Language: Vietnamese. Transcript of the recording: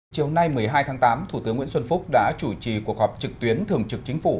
chiều nay một mươi hai tháng tám thủ tướng nguyễn xuân phúc đã chủ trì cuộc họp trực tuyến thường trực chính phủ